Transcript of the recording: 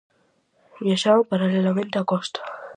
Viaxaban paralelamente á costa.